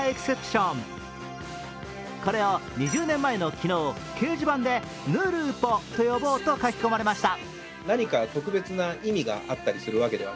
これを２０年前の昨日、掲示板でぬるぽと呼ぼうと書き込まれました。